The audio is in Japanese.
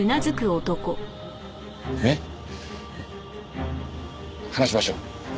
ねえ話しましょう。